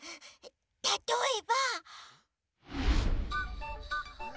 たとえば。